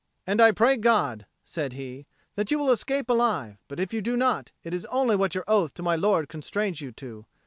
"And I pray God," said he, "that you will escape alive; but if you do not, it is only what your oath to my lord constrains you to.